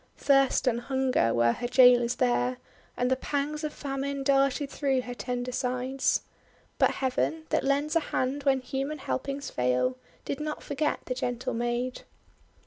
Thirst and Hunger were her jailers there; and the pangs of Famine darted through her tender sides. But Heaven, that lends a hand when human helpings fail, did not forget the gentle maid.